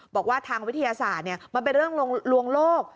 บอกว่าทางวิทยาศาสตร์มันเป็นเรื่องลวงโลก